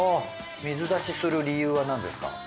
水出しする理由はなんですか？